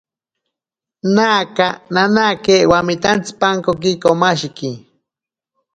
Naka nanake wametantsipankoki komashiki.